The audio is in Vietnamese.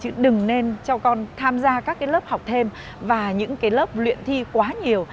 chúng ta không nên cho con tham gia các cái lớp học thêm và những cái lớp luyện thi quá nhiều